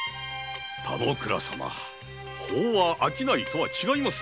田之倉様法は商いとは違いますぞ。